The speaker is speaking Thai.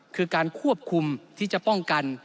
คือการควบคุมที่จะป้องกัน